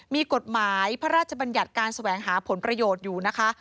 มีกฎหมายพระราชบัญญัติการแสวงหาผลประโยชน์อยู่นะคะ